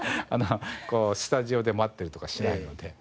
スタジオで待ってるとかしないので。